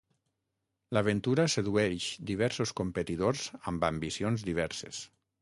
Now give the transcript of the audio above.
L'aventura sedueix diversos competidors amb ambicions diverses.